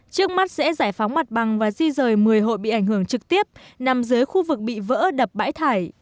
trước mắt sẽ giải phóng mặt bằng và di rời một mươi hội bị ảnh hưởng trực tiếp nằm dưới khu vực bị vỡ đập bãi thải